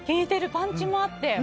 パンチもあって。